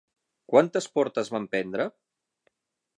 Quantes portes van prendre?